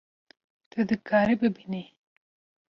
Tu dikarî bibînî